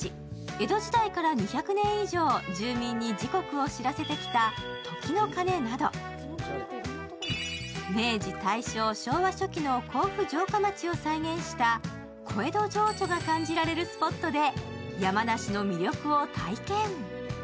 江戸時代から２００年以上、住民に時刻を知らせてきた時の鐘など明治・大正・昭和初期の甲府城下町を再現した小江戸情緒が感じられるスポットで山梨の魅力を体験。